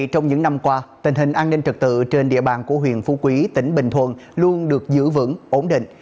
trong những năm qua tình hình an ninh trật tự trên địa bàn của huyện phú quý tỉnh bình thuận luôn được giữ vững ổn định